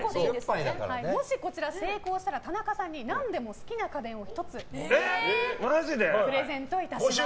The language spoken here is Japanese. もしこちら成功したら田中さんに何でも好きな家電を１つプレゼントいたします。